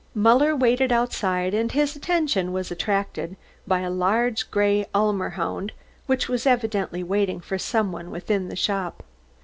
Muller waited outside, and his attention was attracted by a large grey Ulmer hound which was evidently waiting for some one within the shop.